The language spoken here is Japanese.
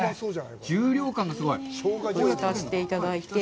重量感がすごい！浸していただいて。